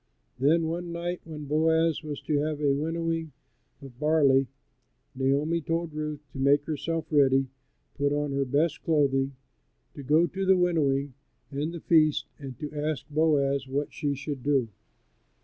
Then one night when Boaz was to have a winnowing of barley, Naomi told Ruth to make herself ready, putting on her best clothing, and to go to the winnowing and the feast and to ask Boaz what she should do.